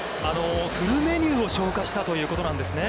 フルメニューを消化したということなんですね。